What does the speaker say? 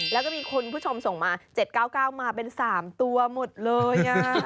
แล้วก็มีคุณผู้ชมส่งมา๗๙๙มาเป็น๓ตัวหมดเลย